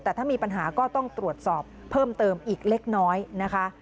แต่ถ้ามีปัญหาก็ต้องตรวจสอบเพิ่มเติมอีกเล็กน้อยนะคะ